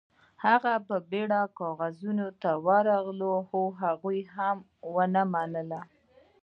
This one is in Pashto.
هغه بیرته کارغانو ته راغی خو هغوی هم ونه مانه.